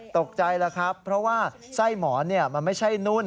ตกใจแล้วครับเพราะว่าไส้หมอนมันไม่ใช่นุ่น